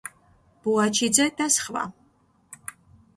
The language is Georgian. ბუაჩიძე და სხვა.